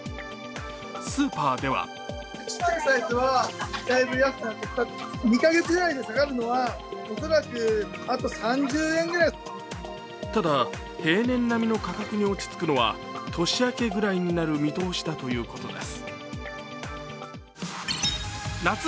スーパーではただ平年並みの価格に落ち着くのは年明けぐらいになる見通しだということです。